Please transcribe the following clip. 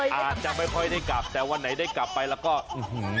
อาจจะไม่ค่อยได้กลับแต่วันไหนได้กลับไปแล้วก็อื้อหือ